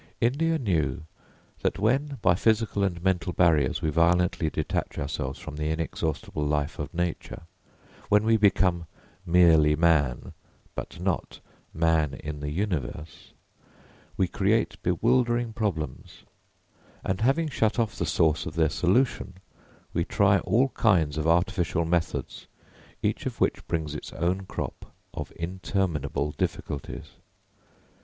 India knew that when by physical and mental barriers we violently detach ourselves from the inexhaustible life of nature; when we become merely man, but not man in the universe, we create bewildering problems, and having shut off the source of their solution, we try all kinds of artificial methods each of which brings its own crop of interminable difficulties.